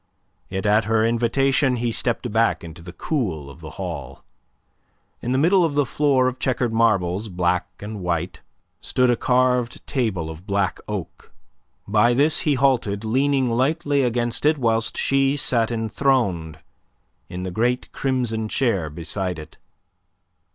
Yet at her invitation he stepped back into the cool of the hall. In the middle of the floor of chequered marbles, black and white, stood a carved table of black oak. By this he halted, leaning lightly against it whilst she sat enthroned in the great crimson chair beside it.